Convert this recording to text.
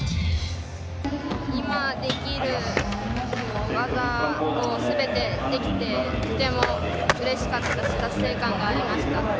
今できる技を全てできて、とてもうれしかったし、達成感がありました。